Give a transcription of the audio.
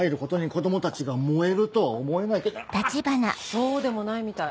そうでもないみたい。